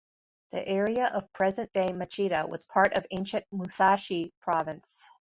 The area of present-day Machida was part of ancient Musashi Province.